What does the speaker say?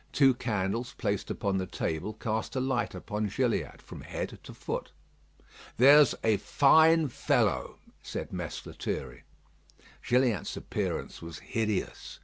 Two candles placed upon the table cast a light upon Gilliatt from head to foot. "There's a fine fellow," said Mess Lethierry. Gilliatt's appearance was hideous.